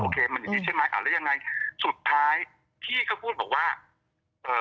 โอเคมันดีใช่ไหมแล้วยังไงสุดท้ายพี่ก็พูดว่า